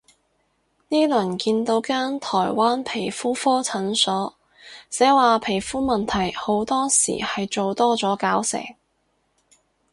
呢輪見到間台灣皮膚科診所，寫話皮膚問題好多時係做多咗搞成